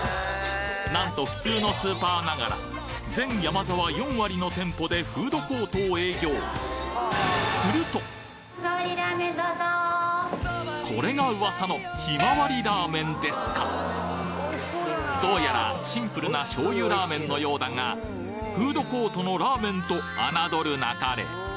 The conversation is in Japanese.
なんと普通のスーパーながら全ヤマザワこれが噂のひまわりラーメンですかどうやらシンプルな醤油ラーメンのようだがフードコートのラーメンと侮るなかれ！